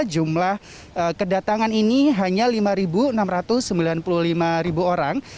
jumlah kedatangan ini hanya lima enam ratus sembilan puluh lima orang